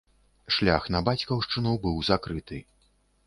Шлях на бацькаўшчыну быў закрыты.